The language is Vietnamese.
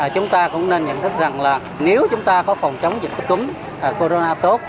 chúng ta cũng nên nhận thức rằng là nếu chúng ta có phòng chống dịch tố túng corona tốt